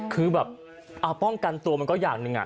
คือแบบเอาป้องกันตัวมันก็อย่างหนึ่ง